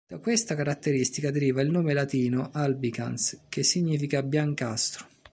Da questa caratteristica deriva il nome latino "albicans", che significa biancastro.